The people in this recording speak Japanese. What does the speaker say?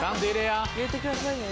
入れてください